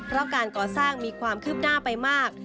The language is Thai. เพราะการก่อสร้างมีความคืบหน้าไปมาก